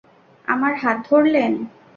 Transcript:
আমার হাত ধরলেন।